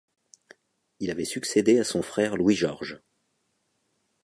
Il avait succédé à son frère Louis-Georges.